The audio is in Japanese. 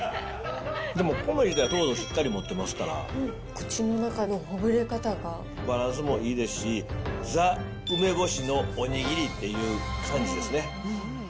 でも米自体糖度をしっかり持ってますから、バランスもいいですし、ザ・梅干しのおにぎりっていう感じですね。